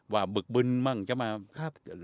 ว่าบึกบึ้นมาก